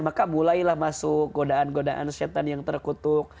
maka mulailah masuk godaan godaan syetan yang terkutuk